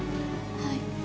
はい。